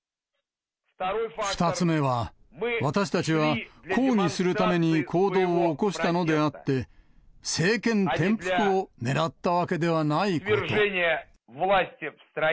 ２つ目は、私たちは抗議するために行動を起こしたのであって、政権転覆をねらったわけではないこと。